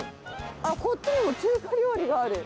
あっ、こっちにも中華料理がある。